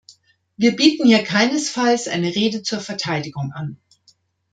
Wir bieten hier keinesfalls eine Rede zur Verteidigung an.